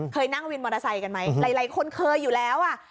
เคยนั่งวินมอเตอร์ไซค์กันไหมหลายคนเคยอยู่แล้วอ่ะ